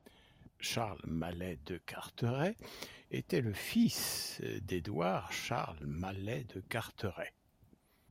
Charles Malet de Carteret était le fils d'Édouard Charles Malet de Carteret.